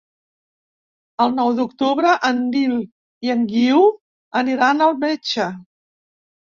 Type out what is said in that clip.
El nou d'octubre en Nil i en Guiu aniran al metge.